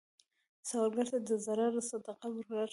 سوالګر ته د زړه صدقه ورکوئ